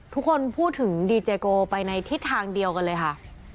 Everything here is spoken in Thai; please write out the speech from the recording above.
ทุกคนพูดถึงดีเจโกไปในทิศทางเดียวกันเลยค่ะ